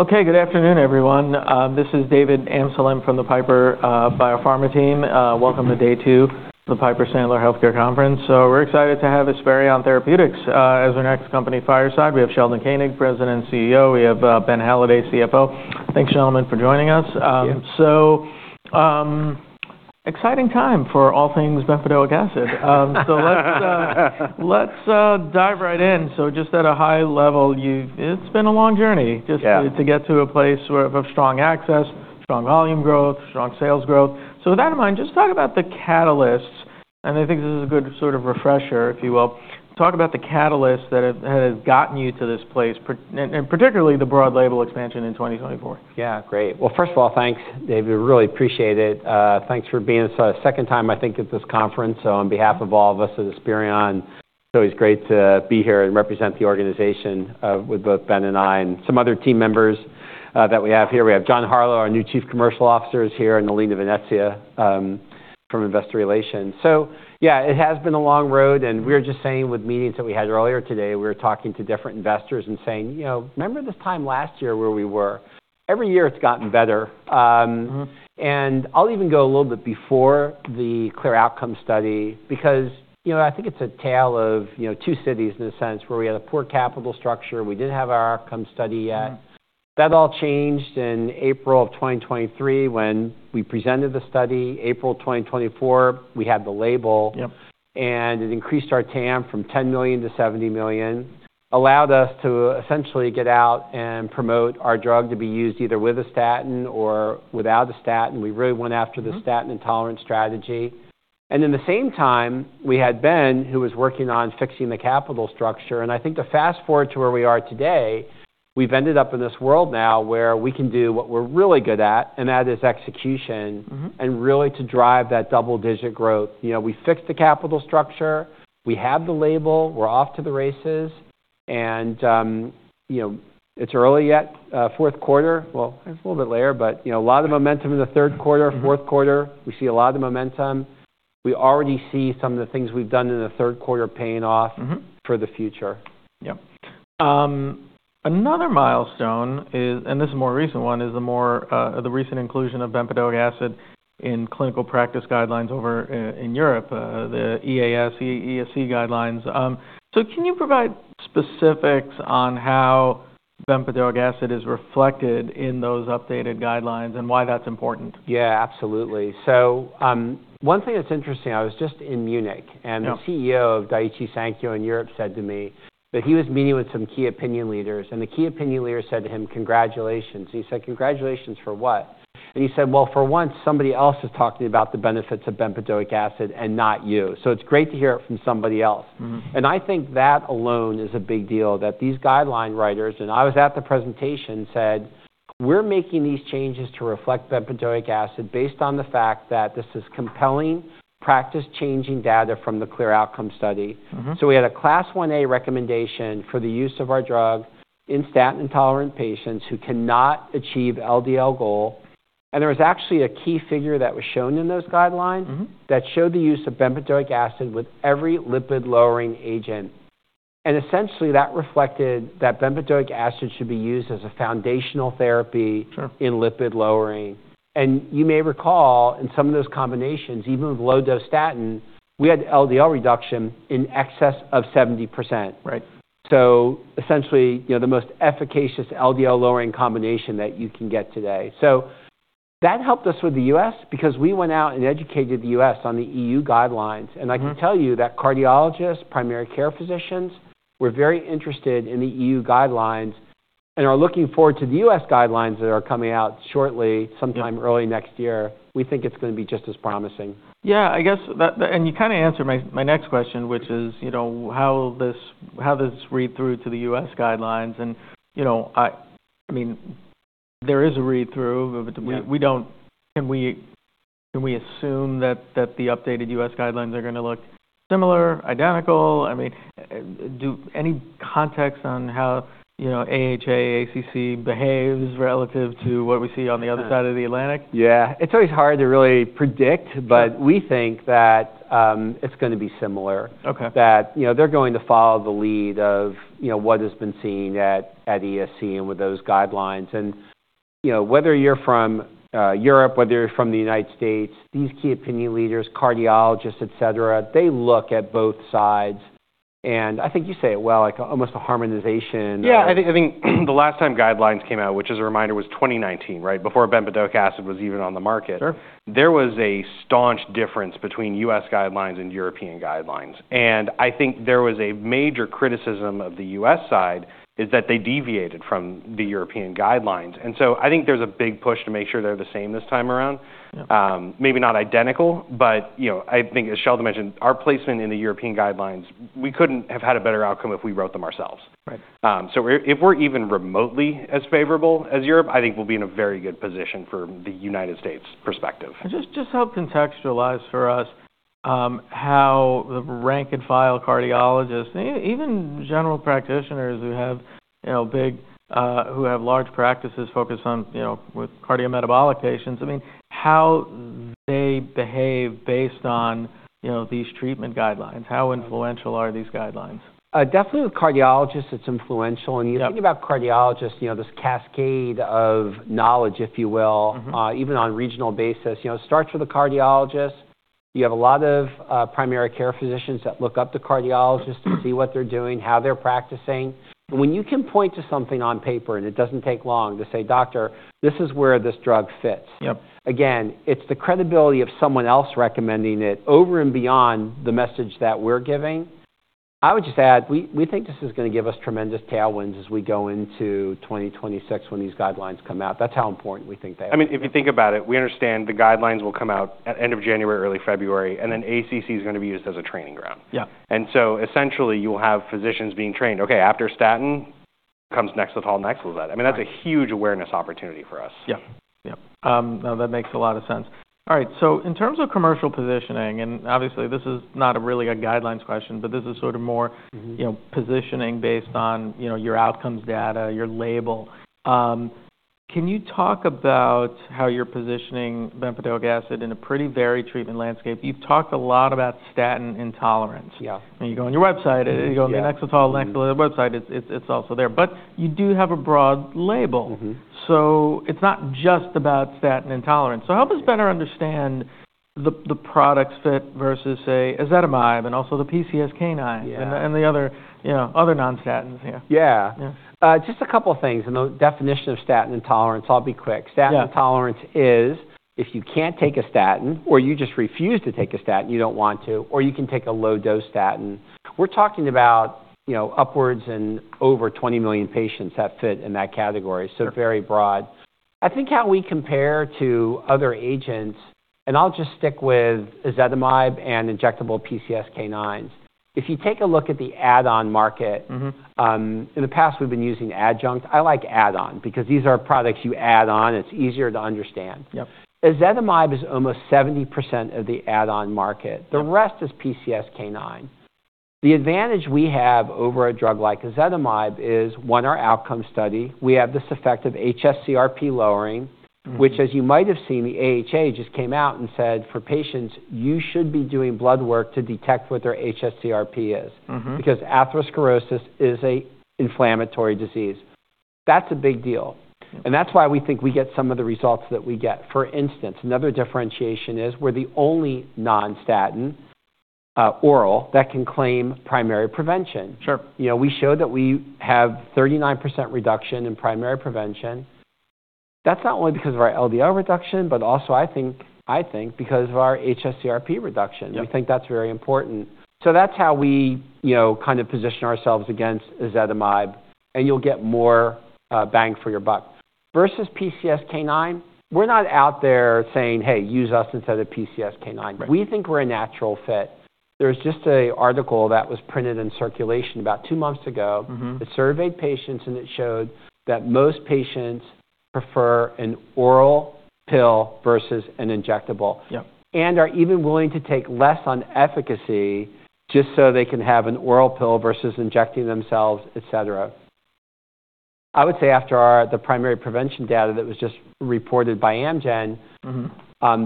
Okay, good afternoon, everyone. This is David Anselon from the Piper Biopharma team. Welcome to day two of the Piper Sandler Healthcare Conference. We're excited to have Esperion Therapeutics as our next company, Fireside. We have Sheldon Koenig, President and CEO. We have Ben Halladay, CFO. Thanks, gentlemen, for joining us. Exciting time for all things bempedoic acid. Let's dive right in. Just at a high level, it's been a long journey just to get to a place of strong access, strong volume growth, strong sales growth. With that in mind, just talk about the catalysts. I think this is a good sort of refresher, if you will. Talk about the catalysts that have gotten you to this place, and particularly the broad label expansion in 2024. Yeah, great. Well, first of all, thanks, David. We really appreciate it. Thanks for being a second time, I think, at this conference. So on behalf of all of us at Esperion, it's always great to be here and represent the organization with both Ben and I and some other team members that we have here. We have John Harlow, our new Chief Commercial Officer, here, and Alina Venezia from Investor Relations. So yeah, it has been a long road. We were just saying with meetings that we had earlier today, we were talking to different investors and saying, you know, remember this time last year where we were? Every year it's gotten better. I'll even go a little bit before the CLEAR Outcomes study because I think it's a tale of two cities, in a sense, where we had a poor capital structure. We didn't have our outcome study yet. That all changed in April of 2023 when we presented the study. April 2024, we had the label. And it increased our TAM from 10 million-70 million, allowed us to essentially get out and promote our drug to be used either with a statin or without a statin. We really went after the statin intolerance strategy. And at the same time, we had Ben, who was working on fixing the capital structure. And I think to fast forward to where we are today, we've ended up in this world now where we can do what we're really good at, and that is execution and really to drive that double-digit growth. We fixed the capital structure. We have the label. We're off to the races. And it's early yet, fourth quarter. It's a little bit later, but a lot of momentum in the third quarter, fourth quarter. We see a lot of momentum. We already see some of the things we've done in the third quarter paying off for the future. Yep. Another milestone, and this is a more recent one, is the more recent inclusion of bempedoic acid in clinical practice guidelines over in Europe, the ESC guidelines. So can you provide specifics on how bempedoic acid is reflected in those updated guidelines and why that's important? Yeah, absolutely. So one thing that's interesting. I was just in Munich, and the CEO of Daiichi Sankyo in Europe said to me that he was meeting with some key opinion leaders. And the key opinion leader said to him, "Congratulations." He said, "Congratulations for what?" And he said, "Well, for once, somebody else is talking about the benefits of bempedoic acid and not you. So it's great to hear it from somebody else." And I think that alone is a big deal that these guideline writers, and I was at the presentation, said, "We're making these changes to reflect bempedoic acid based on the fact that this is compelling, practice-changing data from the CLEAR Outcomes." So we had a Class I-A recommendation for the use of our drug in statin intolerant patients who cannot achieve LDL goal. And there was actually a key figure that was shown in those guidelines that showed the use of bempedoic acid with every lipid-lowering agent. And essentially, that reflected that bempedoic acid should be used as a foundational therapy in lipid lowering. And you may recall, in some of those combinations, even with low-dose statin, we had LDL reduction in excess of 70%. So essentially, the most efficacious LDL-lowering combination that you can get today. So that helped us with the U.S. because we went out and educated the U.S. on the EU guidelines. And I can tell you that cardiologists, primary care physicians were very interested in the EU guidelines and are looking forward to the U.S. guidelines that are coming out shortly, sometime early next year. We think it's going to be just as promising. Yeah, I guess, and you kind of answered my next question, which is how does this read through to the U.S. guidelines? And I mean, there is a read-through. Can we assume that the updated U.S. guidelines are going to look similar, identical? I mean, any context on how AHA, ACC behaves relative to what we see on the other side of the Atlantic? Yeah. It's always hard to really predict, but we think that it's going to be similar, that they're going to follow the lead of what has been seen at ESC and with those guidelines, and whether you're from Europe, whether you're from the United States, these key opinion leaders, cardiologists, etc., they look at both sides, and I think you say it well, like almost a harmonization. Yeah, I think the last time guidelines came out, which is a reminder, was 2019, right, before bempedoic acid was even on the market. There was a stark difference between U.S. guidelines and European guidelines. And I think there was a major criticism of the U.S. side is that they deviated from the European guidelines. And so I think there's a big push to make sure they're the same this time around. Maybe not identical, but I think, as Sheldon mentioned, our placement in the European guidelines, we couldn't have had a better outcome if we wrote them ourselves. So if we're even remotely as favorable as Europe, I think we'll be in a very good position for the United States perspective. Just help contextualize for us how the rank-and-file cardiologists, even general practitioners who have large practices focused on cardiometabolic patients, I mean, how they behave based on these treatment guidelines. How influential are these guidelines? Definitely with cardiologists, it's influential. And you think about cardiologists, this cascade of knowledge, if you will, even on a regional basis. It starts with the cardiologist. You have a lot of primary care physicians that look up to cardiologists to see what they're doing, how they're practicing. And when you can point to something on paper, and it doesn't take long to say, "Doctor, this is where this drug fits." Again, it's the credibility of someone else recommending it over and beyond the message that we're giving. I would just add, we think this is going to give us tremendous tailwinds as we go into 2026 when these guidelines come out. That's how important we think they are. I mean, if you think about it, we understand the guidelines will come out at the end of January, early February, and then ACC is going to be used as a training ground. And so essentially, you'll have physicians being trained. Okay, after statin, who comes next, Nexletol, Nexlizet? I mean, that's a huge awareness opportunity for us. Yeah, yeah. No, that makes a lot of sense. All right, so in terms of commercial positioning, and obviously, this is not really a guidelines question, but this is sort of more positioning based on your outcomes data, your label. Can you talk about how you're positioning bempedoic acid in a pretty varied treatment landscape? You've talked a lot about statin intolerance. You go on your website, you go on the Nexletol Nexlizet website, it's also there. But you do have a broad label. It's not just about statin intolerance. Help us better understand the product's fit versus, say, ezetimibe and also the PCSK9 and the other non-statins? Yeah. Just a couple of things in the definition of statin intolerance. I'll be quick. Statin intolerance is if you can't take a statin or you just refuse to take a statin, you don't want to, or you can take a low-dose statin. We're talking about upwards and over 20 million patients have fit in that category. So very broad. I think how we compare to other agents, and I'll just stick with Ezetimibe and injectable PCSK9s. If you take a look at the add-on market, in the past, we've been using adjunct. I like add-on because these are products you add on. It's easier to understand. Ezetimibe is almost 70% of the add-on market. The rest is PCSK9. The advantage we have over a drug like Ezetimibe is, one, our outcome study. We have this effect of hs-CRP lowering, which, as you might have seen, the AHA just came out and said, "For patients, you should be doing blood work to detect what their hs-CRP is because atherosclerosis is an inflammatory disease." That's a big deal, and that's why we think we get some of the results that we get. For instance, another differentiation is we're the only non-statin oral that can claim primary prevention. We show that we have 39% reduction in primary prevention. That's not only because of our LDL reduction, but also, I think, because of our hs-CRP reduction. We think that's very important. So that's how we kind of position ourselves against ezetimibe, and you'll get more bang for your buck. Versus PCSK9, we're not out there saying, "Hey, use us instead of PCSK9." We think we're a natural fit. There's just an article that was printed in circulation about two months ago. It surveyed patients, and it showed that most patients prefer an oral pill versus an injectable and are even willing to take less on efficacy just so they can have an oral pill versus injecting themselves, etc. I would say after the primary prevention data that was just reported by Amgen,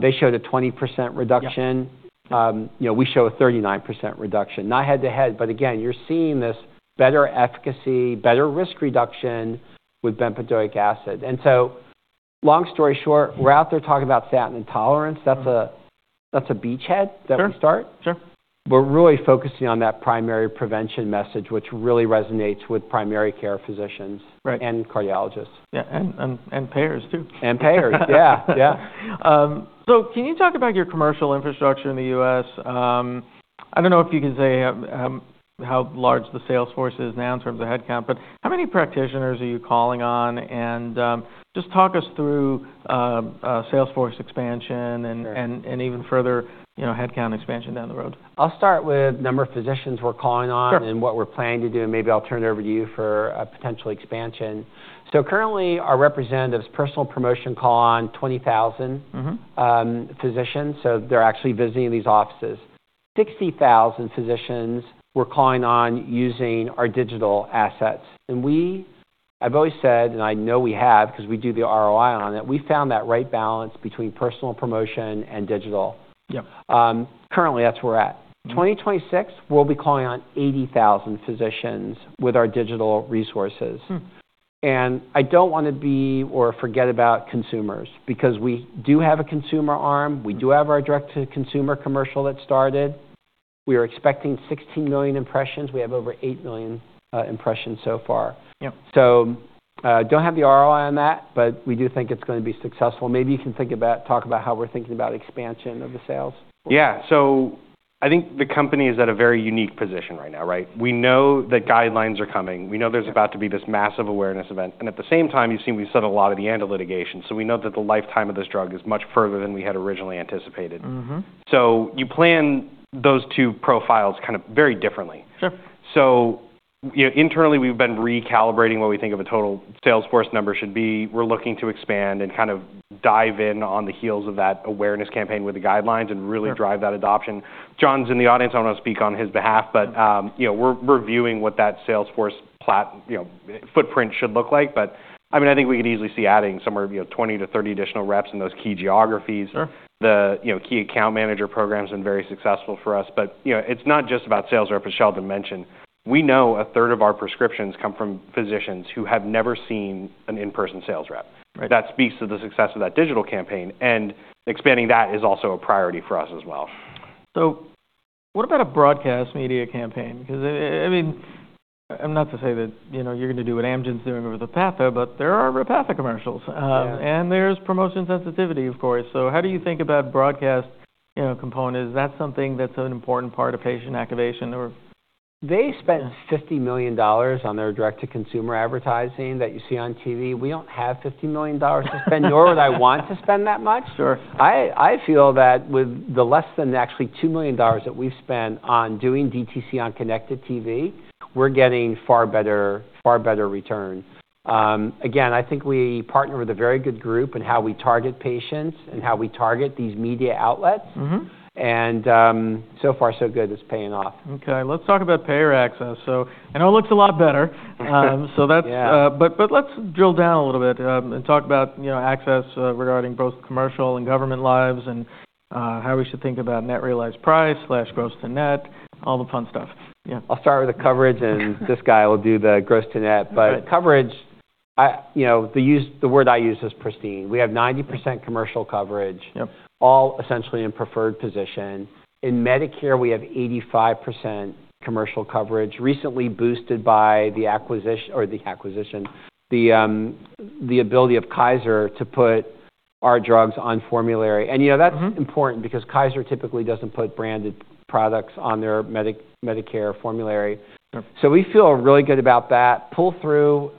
they showed a 20% reduction. We show a 39% reduction. Not head-to-head, but again, you're seeing this better efficacy, better risk reduction with bempedoic acid. And so long story short, we're out there talking about statin intolerance. That's a beachhead that we start. We're really focusing on that primary prevention message, which really resonates with primary care physicians and cardiologists. Yeah, and payers too. And payers, yeah. Yeah. Can you talk about your commercial infrastructure in the U.S.? I don't know if you can say how large the sales force is now in terms of headcount, but how many practitioners are you calling on? Just talk us through sales force expansion and even further headcount expansion down the road. I'll start with the number of physicians we're calling on and what we're planning to do. And maybe I'll turn it over to you for a potential expansion. So currently, our representatives, personal promotion call on 20,000 physicians. So they're actually visiting these offices. 60,000 physicians we're calling on using our digital assets. And I've always said, and I know we have because we do the ROI on it, we found that right balance between personal promotion and digital. Currently, that's where we're at. 2026, we'll be calling on 80,000 physicians with our digital resources. And I don't want to be or forget about consumers because we do have a consumer arm. We do have our direct-to-consumer commercial that started. We are expecting 16 million impressions. We have over 8 million impressions so far. So don't have the ROI on that, but we do think it's going to be successful. Maybe you can talk about how we're thinking about expansion of the sales. Yeah. So I think the company is at a very unique position right now, right? We know that guidelines are coming. We know there's about to be this massive awareness event. And at the same time, you've seen we've settled a lot of the litigation. So we know that the lifetime of this drug is much further than we had originally anticipated. So you plan those two profiles kind of very differently. So internally, we've been recalibrating what we think of a total sales force number should be. We're looking to expand and kind of dive in on the heels of that awareness campaign with the guidelines and really drive that adoption. John's in the audience. I don't want to speak on his behalf, but we're viewing what that sales force footprint should look like. But I mean, I think we can easily see adding somewhere 20-30 additional reps in those key geographies. The key account manager programs have been very successful for us. But it's not just about sales rep, as Sheldon mentioned. We know a third of our prescriptions come from physicians who have never seen an in-person sales rep. That speaks to the success of that digital campaign. And expanding that is also a priority for us as well. So what about a broadcast media campaign? Because I mean, I'm not to say that you're going to do what Amgen's doing with Repatha, but there are Repatha commercials. And there's promotion sensitivity, of course. So how do you think about broadcast components? Is that something that's an important part of patient activation? They spent $50 million on their direct-to-consumer advertising that you see on TV. We don't have $50 million to spend, nor would I want to spend that much. I feel that with less than actually $2 million that we've spent on doing DTC on connected TV, we're getting far better return. Again, I think we partner with a very good group in how we target patients and how we target these media outlets, and so far, so good. It's paying off. Okay. Let's talk about payer access. So I know it looks a lot better. But let's drill down a little bit and talk about access regarding both commercial and government lives and how we should think about net realized price/gross to net, all the fun stuff. Yeah. I'll start with the coverage, and this guy will do the gross to net. But coverage, the word I use is pristine. We have 90% commercial coverage, all essentially in preferred position. In Medicare, we have 85% commercial coverage, recently boosted by the acquisition or the ability of Kaiser to put our drugs on formulary. And that's important because Kaiser typically doesn't put branded products on their Medicare formulary. So we feel really good about that. Pull-through,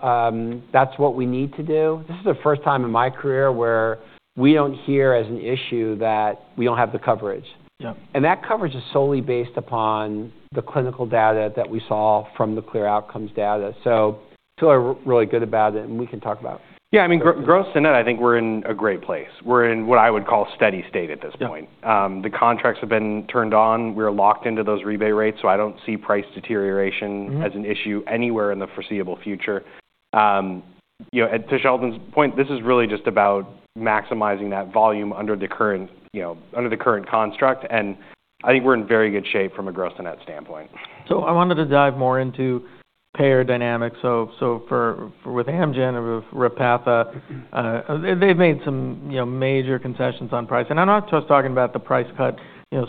that's what we need to do. This is the first time in my career where we don't hear as an issue that we don't have the coverage. And that coverage is solely based upon the clinical data that we saw from the CLEAR Outcomes data. So I feel really good about it, and we can talk about it. Yeah. I mean, gross to net, I think we're in a great place. We're in what I would call steady state at this point. The contracts have been turned on. We're locked into those rebate rates, so I don't see price deterioration as an issue anywhere in the foreseeable future. To Sheldon's point, this is really just about maximizing that volume under the current construct, and I think we're in very good shape from a gross-to-net standpoint, so I wanted to dive more into payer dynamics, so with Amgen and with Repatha, they've made some major concessions on price, and I'm not just talking about the price cut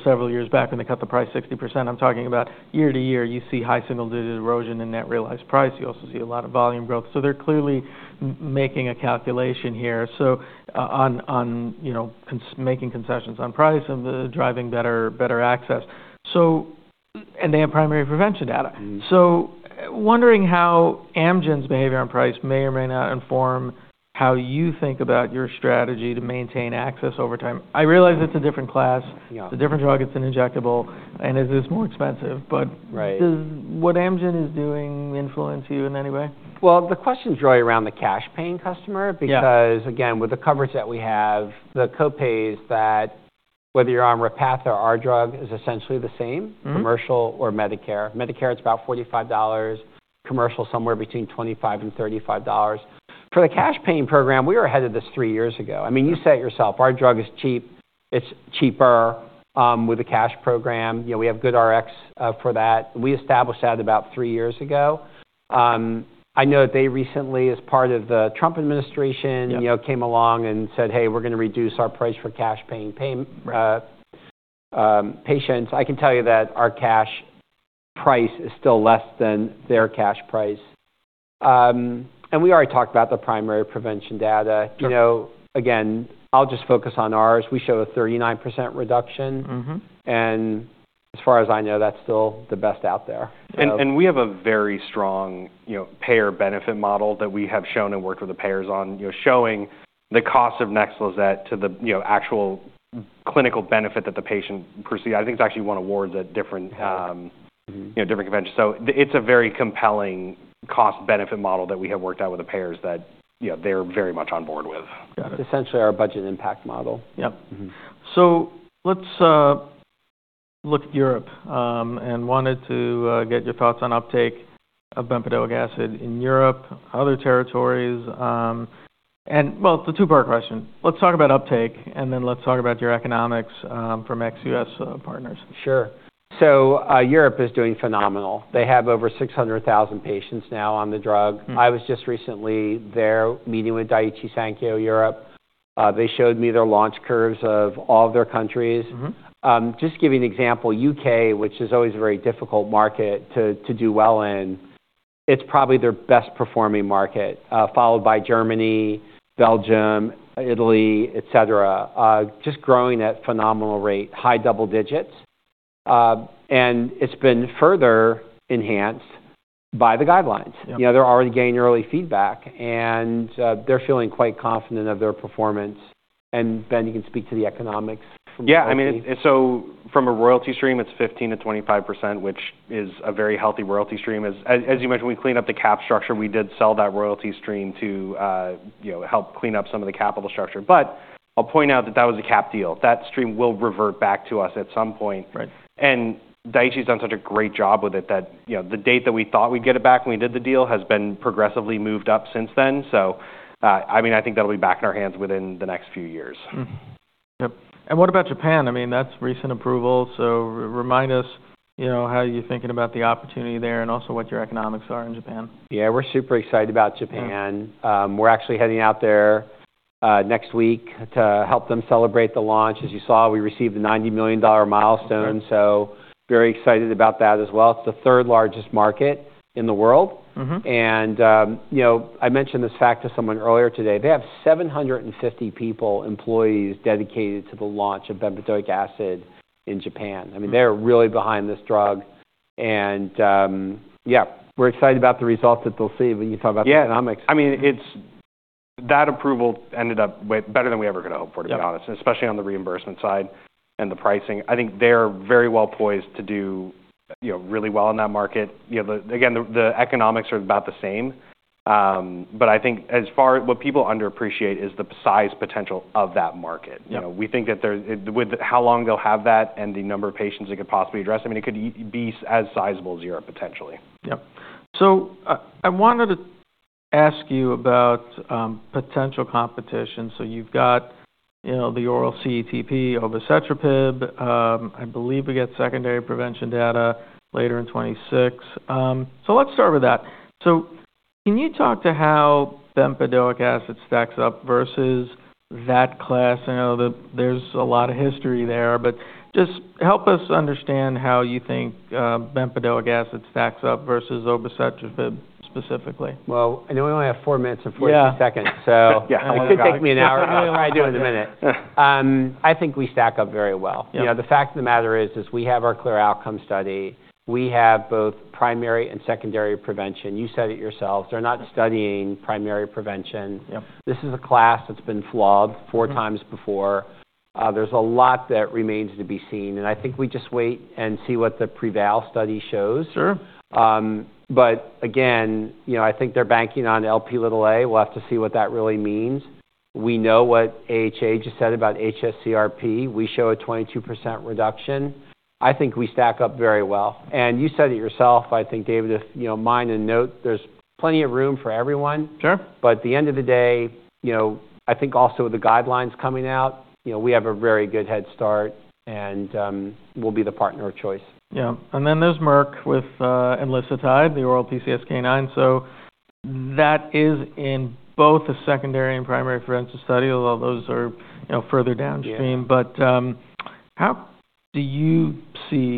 several years back when they cut the price 60%. I'm talking about year to year, you see high single-digit erosion in net realized price. You also see a lot of volume growth. They're clearly making a calculation here on making concessions on price and driving better access. They have primary prevention data. Wondering how Amgen's behavior on price may or may not inform how you think about your strategy to maintain access over time. I realize it's a different class. It's a different drug. It's an injectable. It is more expensive. Does what Amgen is doing influence you in any way? The questions really around the cash-paying customer because, again, with the coverage that we have, the copays that whether you're on Repatha or our drug is essentially the same, commercial or Medicare. Medicare, it's about $45. Commercial, somewhere between $25 and $35. For the cash-paying program, we were ahead of this three years ago. I mean, you say it yourself. Our drug is cheap. It's cheaper with a cash program. We have good Rx for that. We established that about three years ago. I know that they recently, as part of the Trump administration, came along and said, "Hey, we're going to reduce our price for cash-paying patients." I can tell you that our cash price is still less than their cash price. And we already talked about the primary prevention data. Again, I'll just focus on ours. We show a 39% reduction. As far as I know, that's still the best out there. And we have a very strong payer benefit model that we have shown and worked with the payers on, showing the cost of Nexlizet to the actual clinical benefit that the patient perceives. I think it's actually won awards at different conventions. So it's a very compelling cost-benefit model that we have worked out with the payers that they're very much on board with. Essentially our budget impact model. Yep. So let's look at Europe and wanted to get your thoughts on uptake of bempedoic acid in Europe, other territories. And well, it's a two-part question. Let's talk about uptake, and then let's talk about your economics from ex-US partners. Sure. So Europe is doing phenomenal. They have over 600,000 patients now on the drug. I was just recently there meeting with Daiichi Sankyo, Europe. They showed me their launch curves of all of their countries. Just to give you an example, U.K., which is always a very difficult market to do well in, it's probably their best-performing market, followed by Germany, Belgium, Italy, etc., just growing at phenomenal rate, high double digits. And it's been further enhanced by the guidelines. They're already getting early feedback, and they're feeling quite confident of their performance. And Ben, you can speak to the economics from a cash-paying perspective. Yeah. I mean, so from a royalty stream, it's 15%-25%, which is a very healthy royalty stream. As you mentioned, we clean up the cap structure. We did sell that royalty stream to help clean up some of the capital structure. But I'll point out that that was a cap deal. That stream will revert back to us at some point. And Daiichi's done such a great job with it that the date that we thought we'd get it back when we did the deal has been progressively moved up since then. So I mean, I think that'll be back in our hands within the next few years. Yep. And what about Japan? I mean, that's recent approval. So remind us how you're thinking about the opportunity there and also what your economics are in Japan. Yeah. We're super excited about Japan. We're actually heading out there next week to help them celebrate the launch. As you saw, we received the $90 million milestone. So very excited about that as well. It's the third largest market in the world, and I mentioned this fact to someone earlier today. They have 750 people, employees dedicated to the launch of bempedoic acid in Japan. I mean, they're really behind this drug, and yeah, we're excited about the results that they'll see when you talk about the economics. Yeah. I mean, that approval ended up better than we ever could hope for, to be honest, especially on the reimbursement side and the pricing. I think they're very well poised to do really well in that market. Again, the economics are about the same. But I think as far as what people underappreciate is the size potential of that market. We think that with how long they'll have that and the number of patients it could possibly address, I mean, it could be as sizable as Europe potentially. Yep. So I wanted to ask you about potential competition. So you've got the oral CETP of ezetimibe. I believe we get secondary prevention data later in 2026. So let's start with that. So can you talk to how bempedoic acid stacks up versus that class? I know there's a lot of history there, but just help us understand how you think bempedoic acid stacks up versus ezetimibe specifically? I know we only have four minutes and 42 seconds, so it could take me an hour. I'll tell you what I do in a minute. I think we stack up very well. The fact of the matter is we have our CLEAR Outcomes study. We have both primary and secondary prevention. You said it yourself. They're not studying primary prevention. This is a class that's been flawed four times before. There's a lot that remains to be seen. I think we just wait and see what the PREVAIL study shows. Again, I think they're banking on Lp(a). We'll have to see what that really means. We know what AHA just said about hs-CRP. We show a 22% reduction. I think we stack up very well. You said it yourself. I think, David, in my opinion, there's plenty of room for everyone. But at the end of the day, I think also with the guidelines coming out, we have a very good head start, and we'll be the partner of choice. Yeah. And then there's Merck with MK-0616, the oral PCSK9. So that is in both a secondary and primary prevention study, although those are further downstream. But how do you see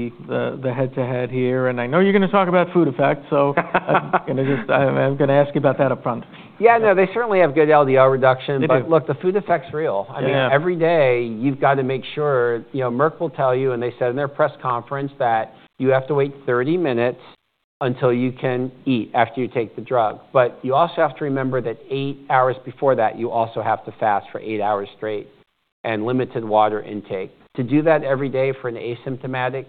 the head-to-head here? And I know you're going to talk about food effects, so I'm going to ask you about that upfront. Yeah. No, they certainly have good LDL reduction. But look, the food effect's real. I mean, every day you've got to make sure Merck will tell you, and they said in their press conference that you have to wait 30 minutes until you can eat after you take the drug. But you also have to remember that eight hours before that, you also have to fast for eight hours straight and limited water intake. To do that every day for an asymptomatic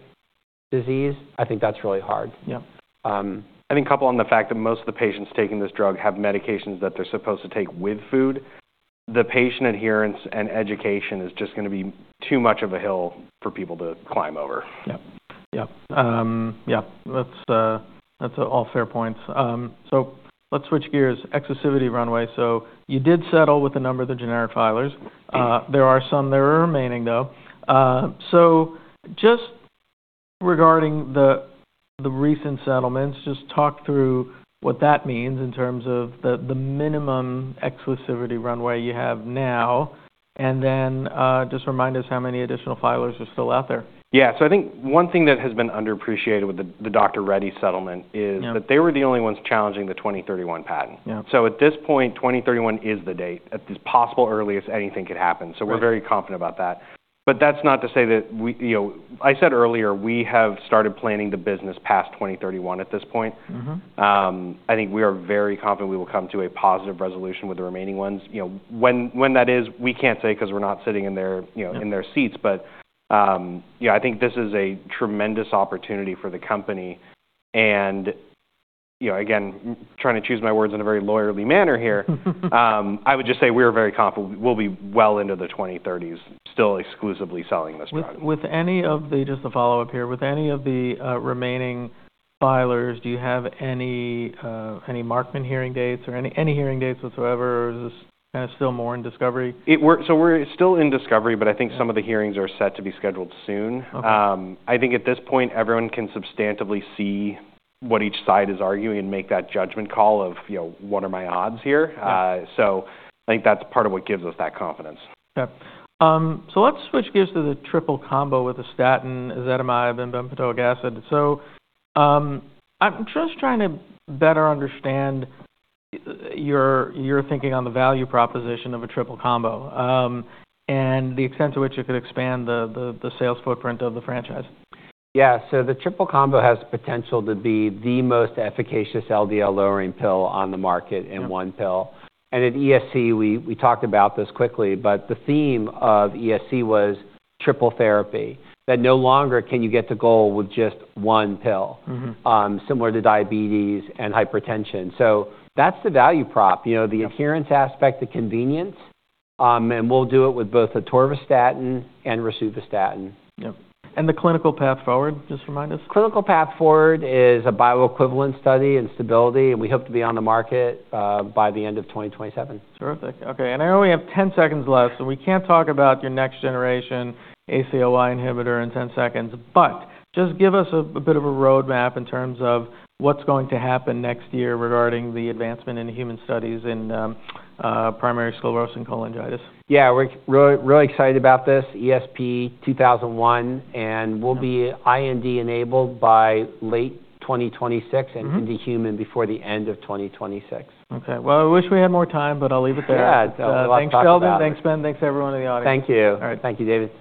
disease, I think that's really hard. Yeah. I think, coupled with the fact that most of the patients taking this drug have medications that they're supposed to take with food. The patient adherence and education is just going to be too much of a hill for people to climb over. Yep. Yep. Yep. That's all fair points. So let's switch gears. Exclusivity runway. So you did settle with a number of the generic filers. There are some that are remaining, though. So just regarding the recent settlements, just talk through what that means in terms of the minimum exclusivity runway you have now, and then just remind us how many additional filers are still out there. Yeah. So I think one thing that has been underappreciated with the Dr. Reddy's settlement is that they were the only ones challenging the 2031 patent. So at this point, 2031 is the date. At this possible earliest, anything could happen. So we're very confident about that. But that's not to say that I said earlier we have started planning the business past 2031 at this point. I think we are very confident we will come to a positive resolution with the remaining ones. When that is, we can't say because we're not sitting in their seats. But I think this is a tremendous opportunity for the company. And again, trying to choose my words in a very lawyerly manner here, I would just say we're very confident we'll be well into the 2030s still exclusively selling this drug. Just a follow-up here. With any of the remaining filers, do you have any Markman hearing dates or any hearing dates whatsoever? Or is this kind of still more in discovery? So we're still in discovery, but I think some of the hearings are set to be scheduled soon. I think at this point, everyone can substantively see what each side is arguing and make that judgment call of what are my odds here. So I think that's part of what gives us that confidence. Yep. So let's switch gears to the triple combo with ezetimibe and bempedoic acid. So I'm just trying to better understand your thinking on the value proposition of a triple combo and the extent to which it could expand the sales footprint of the franchise. Yeah. So the triple combo has the potential to be the most efficacious LDL-lowering pill on the market in one pill. And at ESC, we talked about this quickly, but the theme of ESC was triple therapy that no longer can you get to goal with just one pill, similar to diabetes and hypertension. So that's the value prop, the adherence aspect, the convenience. And we'll do it with both atorvastatin and rosuvastatin. Yep. And the clinical path forward, just remind us. Clinical path forward is a bioequivalence study and stability, and we hope to be on the market by the end of 2027. Terrific. Okay. And I know we have 10 seconds left, so we can't talk about your next-generation ACLY inhibitor in 10 seconds. But just give us a bit of a roadmap in terms of what's going to happen next year regarding the advancement in human studies in primary sclerosing cholangitis. Yeah. We're really excited about this, ESP-2001, and we'll be IND-enabled by late 2026 and into human before the end of 2026. Okay. Well, I wish we had more time, but I'll leave it there. Yeah. Thanks, Sheldon. Thanks, Ben. Thanks to everyone in the audience. Thank you. All right. Thank you, David.